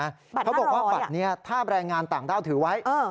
บัตรนั้นร้อยอะเขาบอกว่าบัตรนี้ถ้าแบรนด์งานต่างด้าวถือไว้